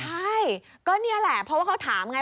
ใช่ก็นี่แหละเพราะว่าเขาถามไง